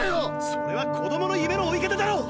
それは子供の夢の追い方だろう。